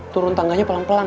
turun tanggangnya pelan pelan